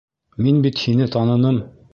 Мин бит һине таныным!